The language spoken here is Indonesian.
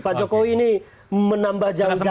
pak jokowi ini menambah jauh jarak ya